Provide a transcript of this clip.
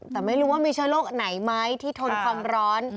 แต่ไม่รู้ว่ามีเชื้อโรคไหนไหมที่ทนความร้อน